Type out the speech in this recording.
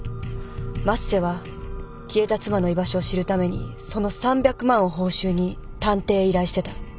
升瀬は消えた妻の居場所を知るためにその３００万を報酬に探偵へ依頼してた。